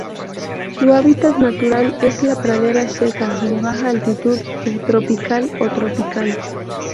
Su hábitat natural es la pradera seca de baja altitud subtropical o tropical.